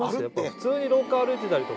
普通に廊下歩いてたりとか。